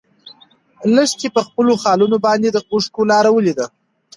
لښتې په خپلو خالونو باندې د اوښکو لاره ولیده.